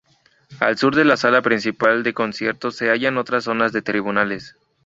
Al sur de la sala principal de conciertos se hallan otras zonas de tribunales.